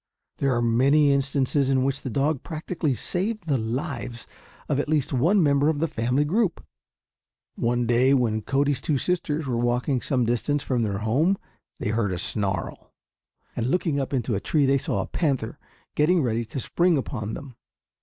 There are many instances in which the dog practically saved the lives of at least one member of the family group. One day when Cody's two sisters were walking some distance from their home they heard a snarl, and looking up into a tree they saw a panther getting ready to spring upon them.